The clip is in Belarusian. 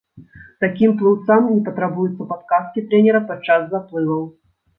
Такім плыўцам не патрабуюцца падказкі трэнера падчас заплываў.